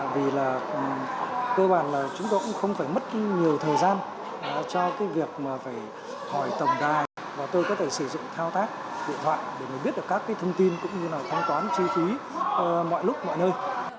vì là cơ bản là chúng tôi cũng không phải mất nhiều thời gian cho cái việc mà phải hỏi tổng đài và tôi có thể sử dụng thao tác điện thoại để mình biết được các cái thông tin cũng như là thanh toán chi phí mọi lúc mọi nơi